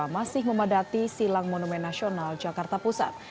masih memadati silang monumen nasional jakarta pusat